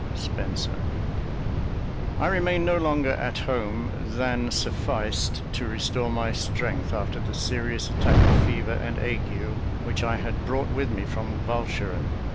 SPENSER. I remained no longer at home than sufficed to restore my strength, after the serious attack of fever and ague which I had brought with me from Walcheren.